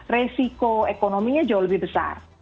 resiko ekonominya jauh lebih besar